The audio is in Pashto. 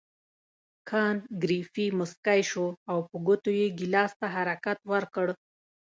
کانت ګریفي مسکی شو او په ګوتو یې ګیلاس ته حرکت ورکړ.